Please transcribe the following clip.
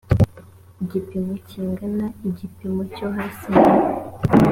gipimo kingana na igipimo cyo hasi ni